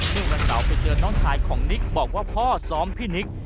เมื่อวันเสาร์ไปเจอน้องชายของนิกบอกว่าพ่อซ้อมพี่นิก